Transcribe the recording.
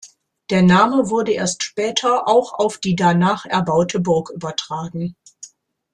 Der Name wurde erst später auch auf die danach erbaute Burg übertragen.